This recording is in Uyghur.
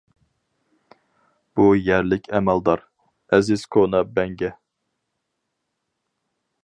بىر يەرلىك ئەمەلدار: ئەزىز كونا بەڭگە.